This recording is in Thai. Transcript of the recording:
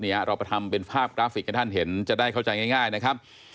เราไปทำเป็นภาพกราฟิกให้ท่านเห็นจะได้เข้าใจง่ายนะครับ